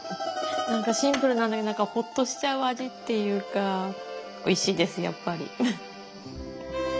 何かシンプルなんだけどホッとしちゃう味っていうかおいしいですやっぱり。